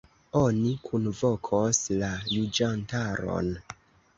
Oni kunvokos la juĝantaron.